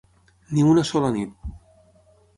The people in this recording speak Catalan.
Ni una sola nit.